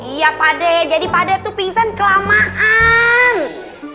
iya pak d jadi pak d tuh pingsan kelamaan